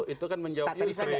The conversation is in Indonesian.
itu kan menjawab yusri